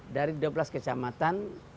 dari dua belas kecamatan